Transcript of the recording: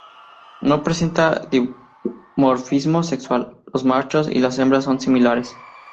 No presenta dimorfismo sexual, los machos y las hembras son similares.